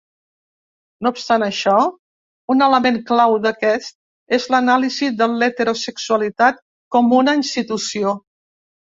No obstant això, un element clau d'aquest és l'anàlisi de l'heterosexualitat com una institució.